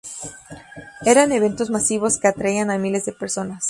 Eran eventos masivos que atraían a miles de personas.